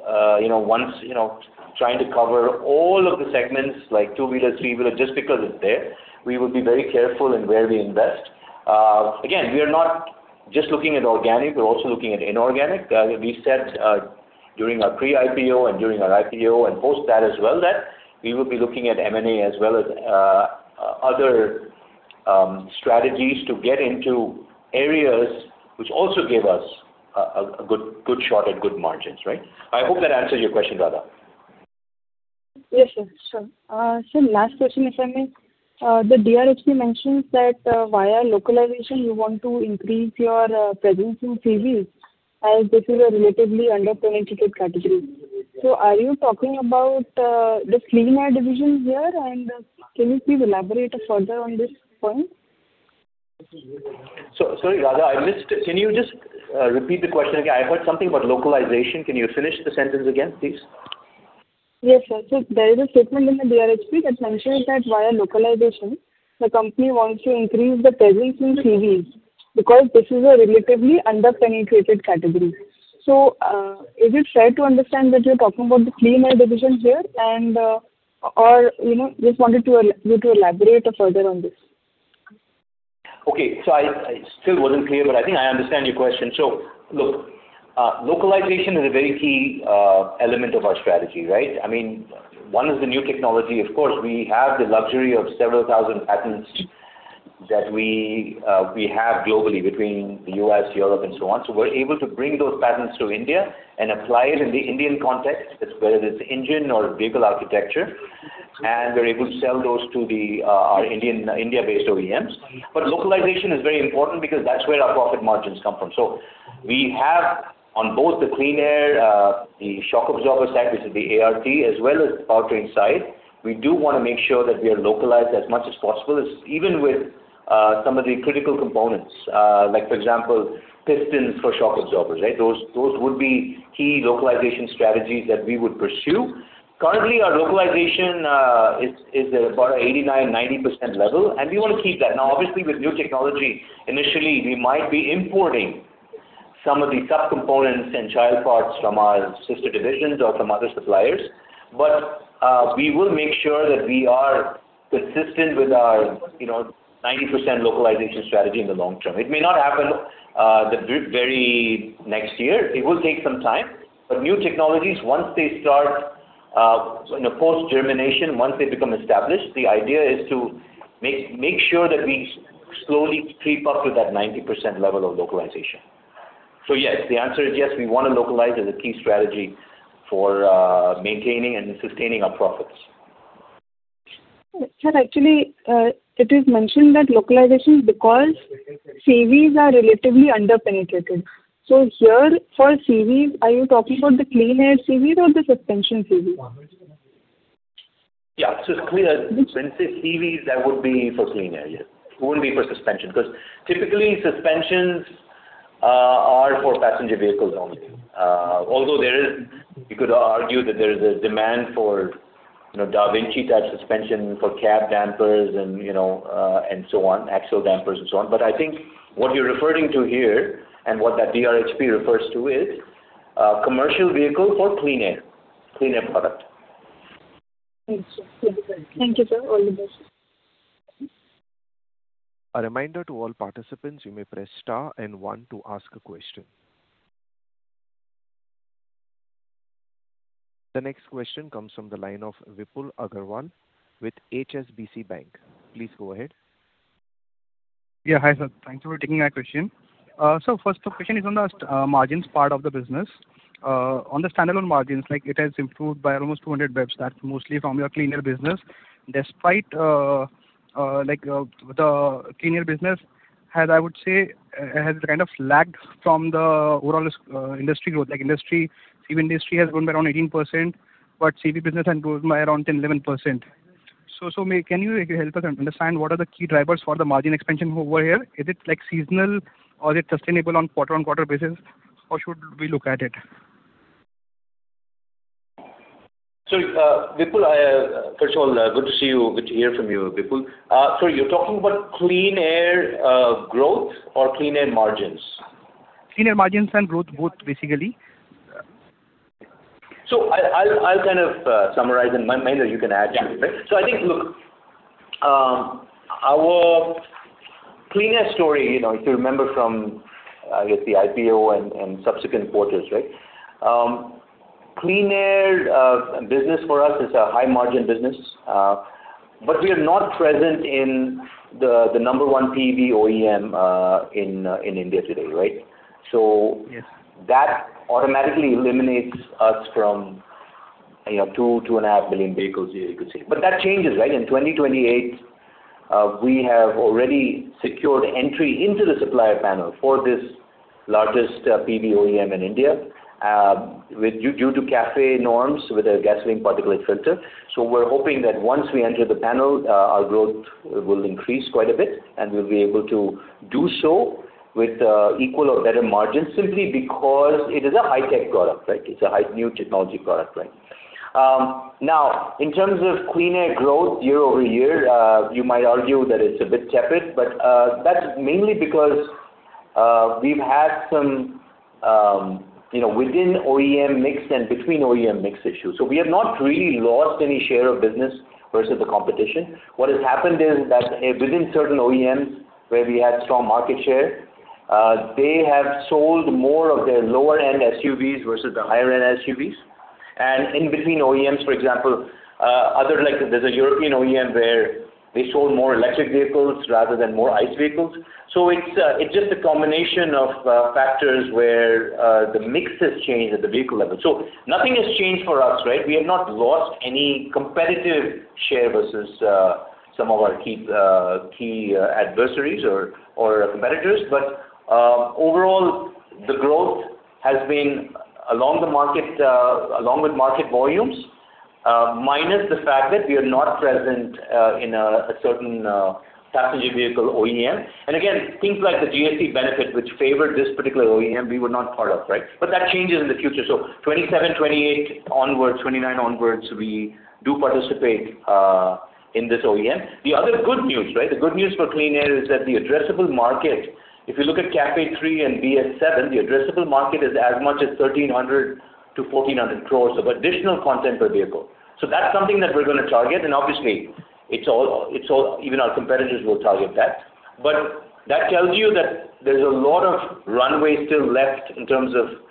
trying to cover all of the segments like two-wheeler, three-wheeler, just because it's there. We will be very careful in where we invest. Again, we are not just looking at organic, we're also looking at inorganic. We said, during our pre-IPO and during our IPO and post that as well, that we would be looking at M&A as well as other strategies to get into areas which also give us a good shot at good margins. I hope that answers your question, Radha. Yes, sir. Sure. Sir, last question, if I may. The DRHP mentions that via localization, you want to increase your presence in CVs as this is a relatively under-penetrated category. Are you talking about the Clean Air division here, and can you please elaborate further on this point? Sorry, Radha, can you just repeat the question again? I heard something about localization. Can you finish the sentence again, please? Yes, sir. There is a statement in the DRHP that mentions that via localization, the company wants to increase the presence in CVs because this is a relatively under-penetrated category. Is it fair to understand that you're talking about the Clean Air division here, or just wanted you to elaborate further on this? Okay. I still wasn't clear, but I think I understand your question. Look, localization is a very key element of our strategy. One is the new technology. Of course, we have the luxury of several thousand patents that we have globally between the U.S., Europe, and so on. We're able to bring those patents to India and apply it in the Indian context, whether it's engine or vehicle architecture, and we're able to sell those to our India-based OEMs. Localization is very important because that's where our profit margins come from. We have on both the Clean Air, the shock absorber side, which is the ART, as well as Powertrain side, we do want to make sure that we are localized as much as possible. Even with some of the critical components, like for example, pistons for shock absorbers. Those would be key localization strategies that we would pursue. Currently, our localization is about 89%, 90% level. We want to keep that. Obviously, with new technology, initially, we might be importing some of the sub-components and child parts from our sister divisions or from other suppliers. We will make sure that we are consistent with our 90% localization strategy in the long term. It may not happen the very next year. It will take some time. New technologies, once they start, in a post germination, once they become established, the idea is to make sure that we slowly creep up to that 90% level of localization. Yes, the answer is yes. We want to localize as a key strategy for maintaining and sustaining our profits. Sir, actually, it is mentioned that localization is because CVs are relatively under-penetrated. Here, for CVs, are you talking about the Clean Air CVs or the suspension CVs? When you say CVs, that would be for Clean Air. Yes. It wouldn't be for suspension, because typically suspensions are for passenger vehicles only. Although you could argue that there is a demand for DaVinci-type suspension for cab dampers, and so on, axle dampers and so on. I think what you're referring to here, and what that DRHP refers to is, commercial vehicle for Clean Air product. Thank you, sir. Thank you, sir. All the best. A reminder to all participants, you may press star and one to ask a question. The next question comes from the line of Vipul Agrawal with HSBC Bank. Please go ahead. Yeah. Hi, sir. Thank you for taking my question. First question is on the margins part of the business. On the standalone margins, it has improved by almost 200 basis points, that's mostly from your Clean Air business. Despite the Clean Air business, I would say, has kind of lagged from the overall industry growth. Like industry, CV industry has grown by around 18%, but CV business has grown by around 10%, 11%. Can you help us understand what are the key drivers for the margin expansion over here? Is it seasonal or is it sustainable on quarter-on-quarter basis? How should we look at it? Vipul, first of all, good to see you, good to hear from you, Vipul. You're talking about Clean Air growth or Clean Air margins? Clean Air margins and growth both, basically. I'll kind of summarize, and Mahender you can add to it. I think, look, our Clean Air story, if you remember from, I guess the IPO and subsequent quarters, Clean Air business for us is a high margin business. We are not present in the number one PV OEM in India today, right? Yes. That automatically eliminates us from 2.5 million vehicles a year you could say. That changes, right? In 2028, we have already secured entry into the supplier panel for this largest PV OEM in India, due to CAFE norms with a gasoline particulate filter. We're hoping that once we enter the panel, our growth will increase quite a bit, and we'll be able to do so with equal or better margins, simply because it is a high-tech product, right? It's a new technology product, right? In terms of Clean Air growth year-over-year, you might argue that it's a bit tepid, but that's mainly because we've had some within OEM mix and between OEM mix issues. We have not really lost any share of business versus the competition. What has happened is that within certain OEMs where we had strong market share, they have sold more of their lower-end SUVs versus the higher-end SUVs. In between OEMs, for example, there's a European OEM where they sold more electric vehicles rather than more ICE vehicles. It's just a combination of factors where the mix has changed at the vehicle level. Nothing has changed for us, right? We have not lost any competitive share versus some of our key adversaries or competitors. Overall, the growth has been along with market volumes, minus the fact that we are not present in a certain passenger vehicle OEM. Again, things like the GST benefit, which favored this particular OEM, we were not part of, right? That changes in the future. 2027, 2028 onwards, 2029 onwards, we do participate in this OEM. The other good news for Clean Air is that the addressable market, if you look at CAFE III and BS VII, the addressable market is as much as 1,300 crore-1,400 crore of additional content per vehicle. That's something that we're going to target, and obviously, even our competitors will target that. That tells you that there's a lot of runway still left in terms of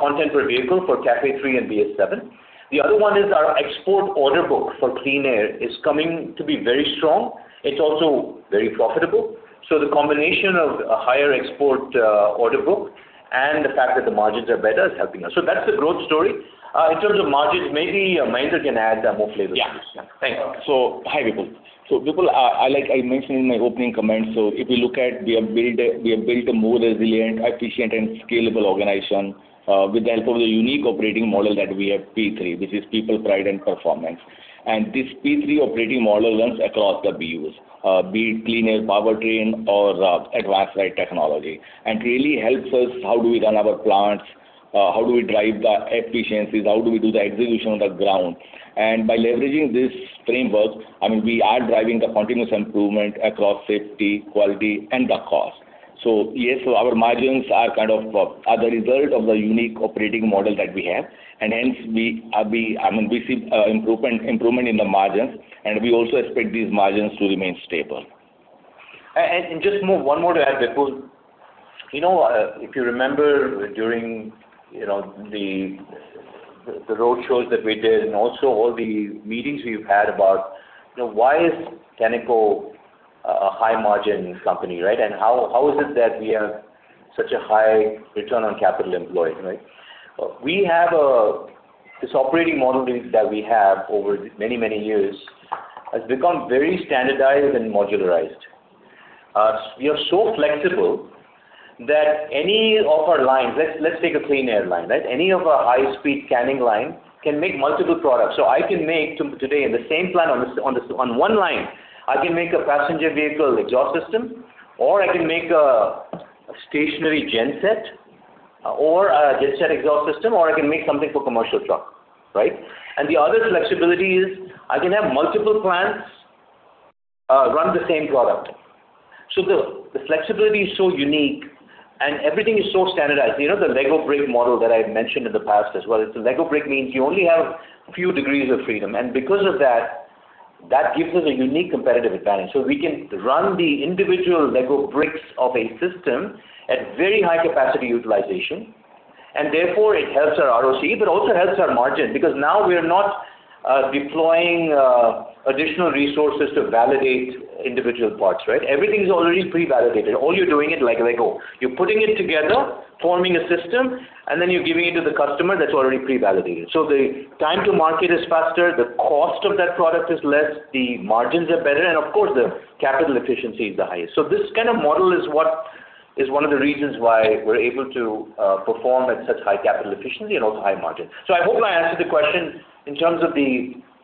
content per vehicle for CAFE III and BS VII. The other one is our export order book for Clean Air is coming to be very strong. It's also very profitable. The combination of a higher export order book and the fact that the margins are better is helping us. That's the growth story. In terms of margins, maybe Mahender can add more flavor to this. Yeah. Thanks. Hi, Vipul. Vipul, like I mentioned in my opening comments, we have built a more resilient, efficient, and scalable organization with the help of the unique operating model that we have, P3, which is people, pride, and performance. This P3 operating model runs across the BUs. Be it Clean Air, Powertrain, or Advanced Ride Technologies. Really helps us, how do we run our plants, how do we drive the efficiencies, how do we do the execution on the ground? By leveraging this framework, we are driving the continuous improvement across safety, quality, and the cost. Yes, our margins are the result of the unique operating model that we have, and hence we see improvement in the margins, and we also expect these margins to remain stable. Just one more to add, Vipul. If you remember during the road shows that we did and also all the meetings we've had about, why is Tenneco a high-margin company, right? How is it that we have such a high return on capital employed? This operating model that we have over many, many years has become very standardized and modularized. We are so flexible that any of our lines, let's take a Clean Air line. Any of our high-speed scanning line can make multiple products. I can make today in the same plant on one line, I can make a passenger vehicle exhaust system, or I can make a stationary genset, or a genset exhaust system, or I can make something for commercial truck. Right? The other flexibility is I can have multiple plants run the same product. The flexibility is so unique and everything is so standardized. You know the Lego brick model that I had mentioned in the past as well. It's a Lego brick means you only have a few degrees of freedom. Because of that gives us a unique competitive advantage. We can run the individual Lego bricks of a system at very high capacity utilization, and therefore it helps our ROCE, but also helps our margin, because now we are not deploying additional resources to validate individual parts, right? Everything's already pre-validated. All you're doing is like Lego. You're putting it together, forming a system, and then you're giving it to the customer that's already pre-validated. The time to market is faster, the cost of that product is less, the margins are better, and of course, the capital efficiency is the highest. This kind of model is one of the reasons why we are able to perform at such high capital efficiency and also high margin. I hope I answered the question in terms of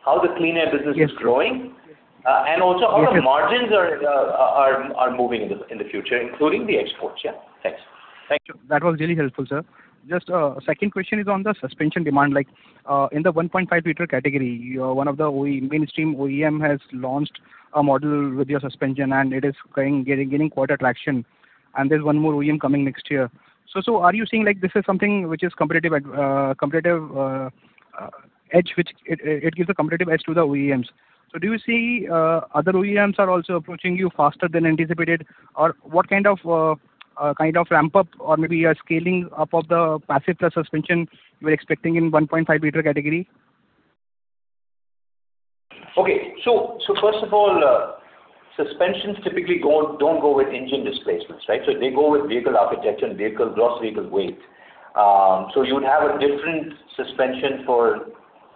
how the Clean Air business is growing. Yes, sir. The margins are moving in the future, including the exports. Yeah. Thanks. Thank you. That was really helpful, sir. Just a second question is on the suspension demand, like in the 1.5 L category, one of the mainstream OEM has launched a model with your suspension, and it is gaining quite a traction. There's one more OEM coming next year. Are you seeing like this is something which is competitive edge, it gives a competitive edge to the OEMs. Do you see other OEMs are also approaching you faster than anticipated? Or what kind of ramp-up, or maybe a scaling up of the Passive Plus suspension you are expecting in 1.5 L category? Okay. First of all, suspensions typically don't go with engine displacements, right? They go with vehicle architecture and gross vehicle weight. You would have a different suspension for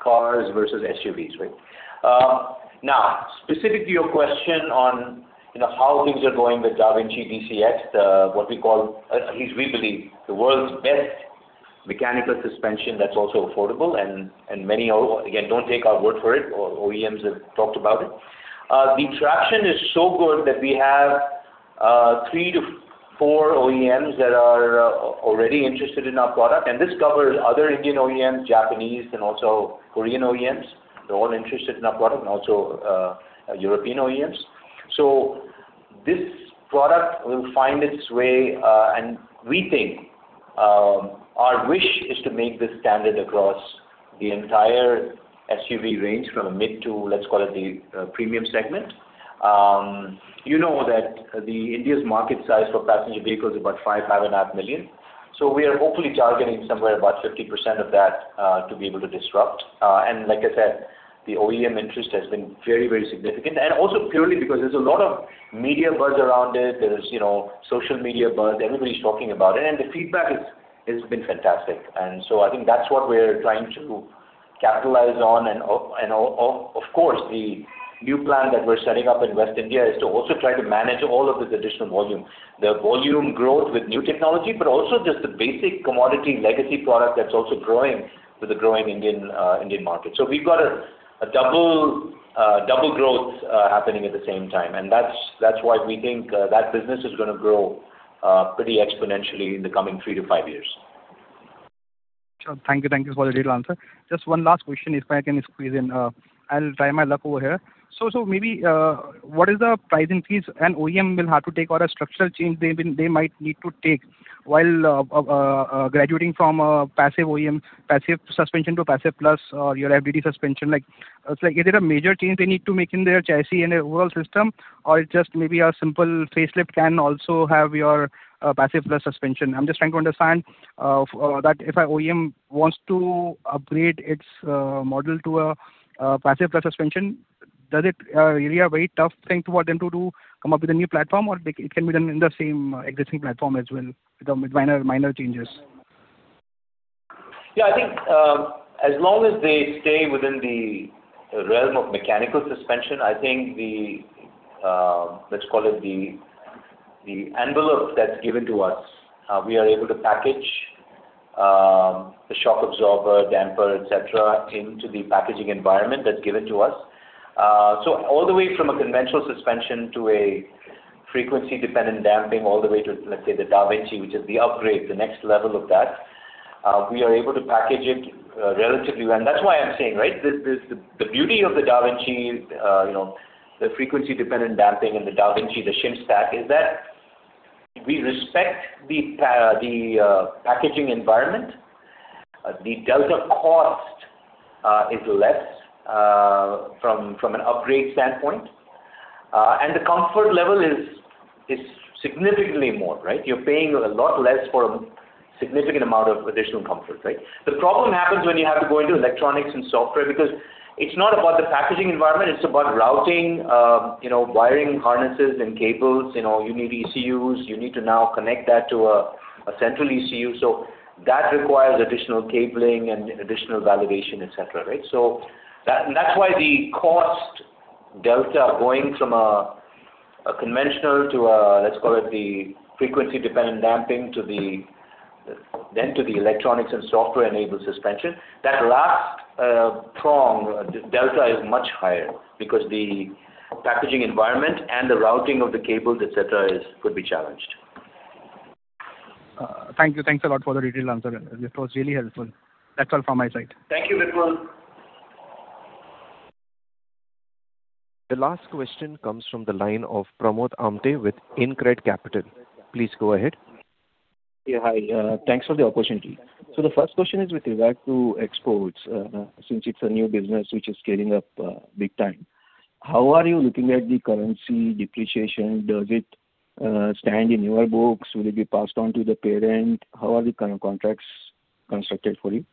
cars versus SUVs, right? Now, specific to your question on how things are going with DaVinci DCx, what we call, at least we believe, the world's best mechanical suspension that's also affordable, and many, again, don't take our word for it, OEMs have talked about it. The traction is so good that we have three-four OEMs that are already interested in our product, and this covers other Indian OEMs, Japanese, and also Korean OEMs. They're all interested in our product, and also European OEMs. This product will find its way, and we think, our wish is to make this standard across the entire SUV range from a mid to, let's call it the premium segment. You know that India's market size for passenger vehicles is about 5.5 million. We are hopefully targeting somewhere about 50% of that to be able to disrupt. Like I said, the OEM interest has been very, very significant. Also purely because there's a lot of media buzz around it, there's social media buzz, everybody's talking about it. The feedback has been fantastic. I think that's what we're trying to capitalize on and of course, the new plan that we're setting up in West India is to also try to manage all of this additional volume. The volume growth with new technology, but also just the basic commodity legacy product that's also growing with the growing Indian market. We've got a double growth happening at the same time. That's why we think that business is gonna grow pretty exponentially in the coming three to five years. Sure. Thank you. Thank you for the detailed answer. Just one last question, if I can squeeze in. I will try my luck over here. Maybe, what is the pricing fees an OEM will have to take or a structural change they might need to take while graduating from a passive suspension to passive plus or your FDD suspension? Is it a major change they need to make in their chassis and their overall system, or it is just maybe a simple facelift can also have your passive plus suspension? I am just trying to understand that if an OEM wants to upgrade its model to a passive plus suspension, does it really a very tough thing for them to do, come up with a new platform, or it can be done in the same existing platform as well with minor changes? I think as long as they stay within the realm of mechanical suspension, I think the, let's call it the envelope that's given to us, we are able to package the shock absorber, damper, et cetera, into the packaging environment that's given to us. All the way from a conventional suspension to a frequency-dependent damping, all the way to, let's say, the DaVinci, which is the upgrade, the next level of that, we are able to package it relatively well. That's why I'm saying, right, the beauty of the DaVinci, the frequency-dependent damping and the DaVinci, the shim stack, is that we respect the packaging environment. The delta cost is less, from an upgrade standpoint. The comfort level is significantly more, right? You're paying a lot less for a significant amount of additional comfort, right? The problem happens when you have to go into electronics and software, because it's not about the packaging environment, it's about routing, wiring harnesses and cables. You need ECUs. You need to now connect that to a central ECU. That requires additional cabling and additional validation, et cetera. Right. That's why the cost delta going from a conventional to a, let's call it, the Frequency Dependent Damping, then to the electronics and software-enabled suspension. That last prong, delta, is much higher because the packaging environment and the routing of the cables, et cetera, could be challenged. Thank you. Thanks a lot for the detailed answer. It was really helpful. That is all from my side. Thank you, Vipul. The last question comes from the line of Pramod Amthe with InCred Capital. Please go ahead. Yeah, hi. Thanks for the opportunity. The first question is with regard to exports, since it's a new business which is scaling up big time. How are you looking at the currency depreciation? Does it stand in your books? Will it be passed on to the parent? How are the current contracts constructed for you?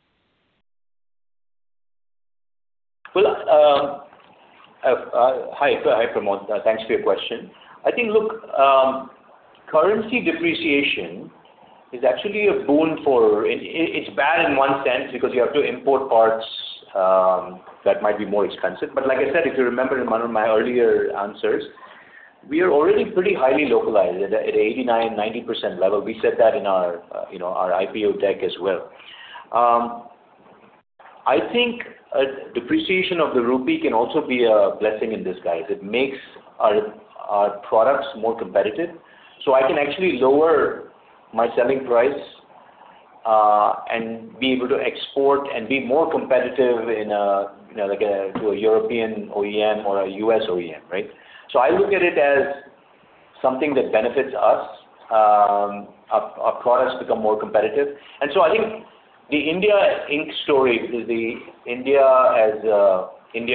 Well, hi, Pramod. Thanks for your question. I think, look, currency depreciation is actually bad in one sense because you have to import parts that might be more expensive. Like I said, if you remember in one of my earlier answers, we are already pretty highly localized at 89%, 90% level. We said that in our IPO deck as well. I think depreciation of the rupee can also be a blessing in disguise. It makes our products more competitive. I can actually lower my selling price, and be able to export and be more competitive to a European OEM or a U.S. OEM. Right. I look at it as something that benefits us. Our products become more competitive. I think the India Inc. story is the India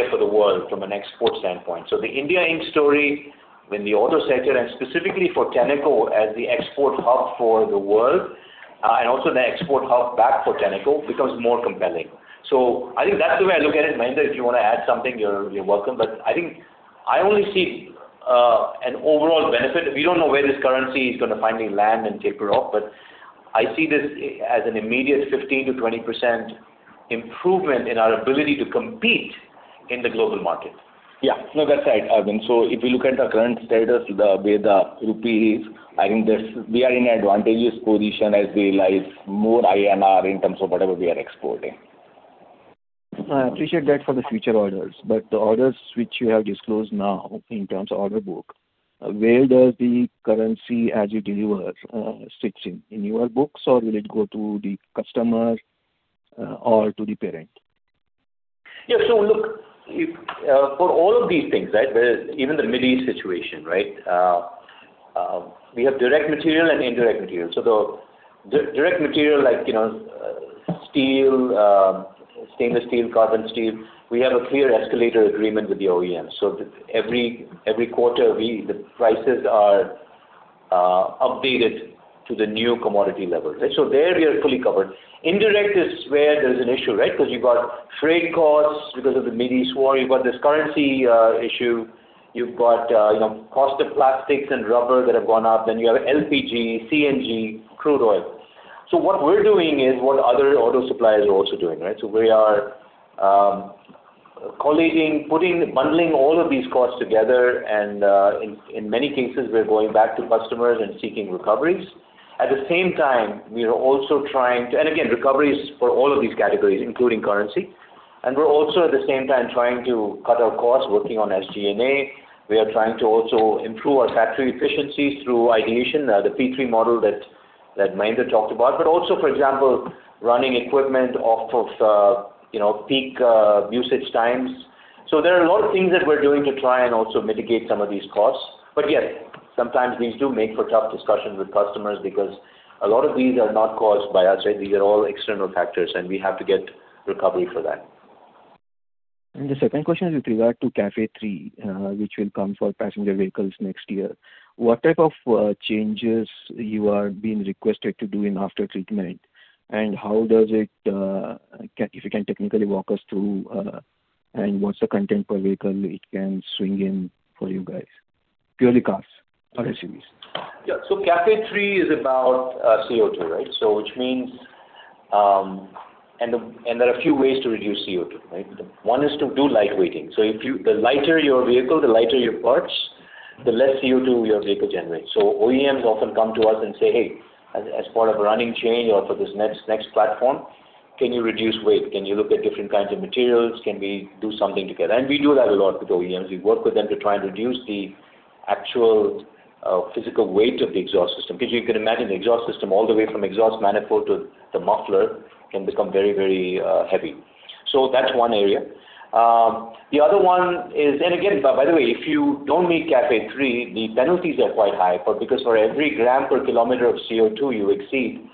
for the world from an export standpoint. India Inc story when the auto sector, and specifically for Tenneco as the export hub for the world, and also the export hub back for Tenneco, becomes more compelling. I think that's the way I look at it. Mahender, if you want to add something, you're welcome. I think I only see an overall benefit. We don't know where this currency is going to finally land and taper off, but I see this as an immediate 15%-20% improvement in our ability to compete in the global market. Yeah. No, that's right, Arvind. If you look at our current status, the way the rupee is, I think we are in advantageous position as we realize more INR in terms of whatever we are exporting. I appreciate that for the future orders. The orders which you have disclosed now in terms of order book, where does the currency, as you deliver, sits in? In your books, or will it go to the customer, or to the parent? Yeah. Look, for all of these things, even the Mid East situation, we have direct material and indirect material. The direct material like steel, stainless steel, carbon steel, we have a clear escalator agreement with the OEM. Every quarter, the prices are updated to the new commodity level. There, we are fully covered. Indirect is where there's an issue, right? Because you've got freight costs because of the Mid East war. You've got this currency issue. You've got cost of plastics and rubber that have gone up. You have LPG, CNG, crude oil. What we're doing is what other auto suppliers are also doing. Right? We are collating, putting, bundling all of these costs together, and in many cases, we're going back to customers and seeking recoveries. At the same time, we are also trying to again, recoveries for all of these categories, including currency. We're also, at the same time, trying to cut our costs working on SG&A. We are trying to also improve our factory efficiencies through ideation, the P3 model that Mahender talked about. Also, for example, running equipment off of peak usage times. There are a lot of things that we're doing to try and also mitigate some of these costs. Yes, sometimes these do make for tough discussions with customers because a lot of these are not caused by us, right? These are all external factors, and we have to get recovery for that. The second question is with regard to CAFE III, which will come for passenger vehicles next year. What type of changes you are being requested to do in after-treatment, if you can technically walk us through, and what's the content per vehicle it can swing in for you guys, purely cars or SUVs? Yeah. CAFE III is about CO2, right? There are a few ways to reduce CO2, right? One is to do lightweighting. The lighter your vehicle, the lighter your parts, the less CO2 your vehicle generates. OEMs often come to us and say, "Hey, as part of a running change or for this next platform, can you reduce weight? Can you look at different kinds of materials? Can we do something together?" We do that a lot with OEMs. We work with them to try and reduce the actual physical weight of the exhaust system. Because you can imagine the exhaust system all the way from exhaust manifold to the muffler can become very heavy. That's one area. Again, by the way, if you don't meet CAFE III, the penalties are quite high, because for every gram per kilometer of CO2 you exceed,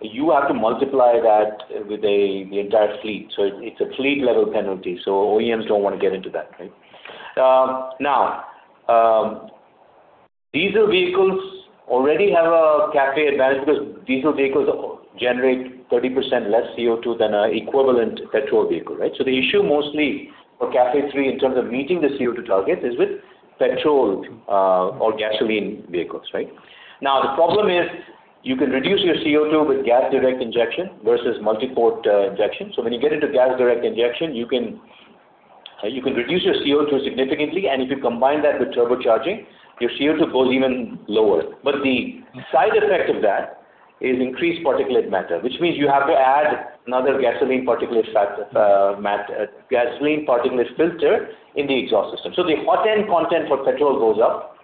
you have to multiply that with the entire fleet. It's a fleet-level penalty. OEMs don't want to get into that, right? Diesel vehicles already have a CAFE advantage because diesel vehicles generate 30% less CO2 than an equivalent petrol vehicle, right? The issue mostly for CAFE III in terms of meeting the CO2 target is with petrol or gasoline vehicles, right? The problem is you can reduce your CO2 with gas direct injection versus multi-port injection. When you get into gas direct injection, you can reduce your CO2 significantly, and if you combine that with turbocharging, your CO2 goes even lower. The side effect of that is increased particulate matter, which means you have to add another gasoline particulate filter in the exhaust system. The hot end content for petrol goes up,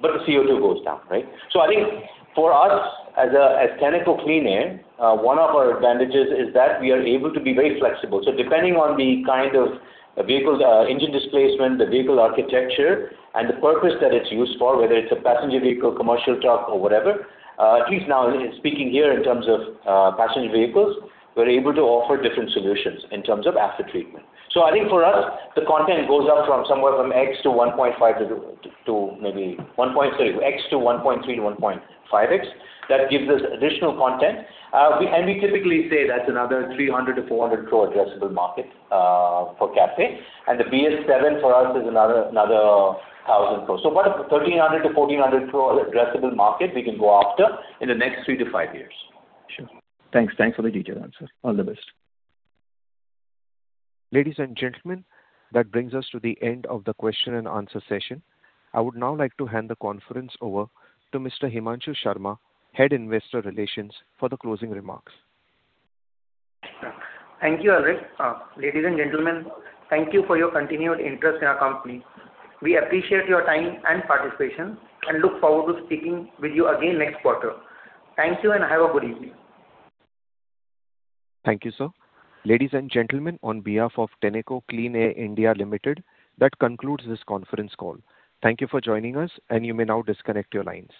but the CO2 goes down, right? I think for us, as Tenneco Clean Air, one of our advantages is that we are able to be very flexible. Depending on the kind of vehicle's engine displacement, the vehicle architecture, and the purpose that it is used for, whether it is a passenger vehicle, commercial truck, or whatever, at least now speaking here in terms of passenger vehicles, we are able to offer different solutions in terms of after-treatment. I think for us, the content goes up from somewhere from X to 1.3X to 1.5X. That gives us additional content. We typically say that is another 300 crore to 400 crore addressable market for CAFE. The BS VII for us is another 1,000 crore. About 1,300 crore to 1,400 crore addressable market we can go after in the next three to five years. Sure. Thanks for the detailed answer. All the best. Ladies and gentlemen, that brings us to the end of the question and answer session. I would now like to hand the conference over to Mr. Himanshu Sharma, Head Investor Relations, for the closing remarks. Thank you, Alric. Ladies and gentlemen, thank you for your continued interest in our company. We appreciate your time and participation and look forward to speaking with you again next quarter. Thank you and have a good evening. Thank you, sir. Ladies and gentlemen, on behalf of Tenneco Clean Air India Limited, that concludes this conference call. Thank you for joining us, and you may now disconnect your line.